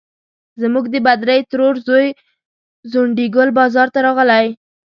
زموږ د بدرۍ ترور زوی ځونډي ګل بازار ته راغلی.